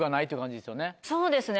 そうですね